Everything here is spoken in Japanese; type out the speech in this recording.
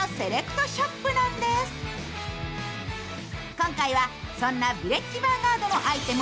今回はそんなヴィレッジヴァンガードのアイテム